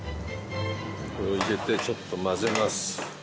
これを入れてちょっと混ぜます。